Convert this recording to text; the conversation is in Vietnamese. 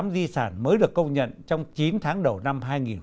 tám di sản mới được công nhận trong chín tháng đầu năm hai nghìn một mươi tám